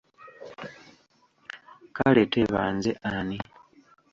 Kale teeba nze ani?